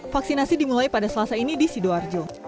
vaksinasi dimulai pada selasa ini di sidoarjo